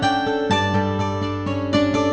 pak miep mau berangkat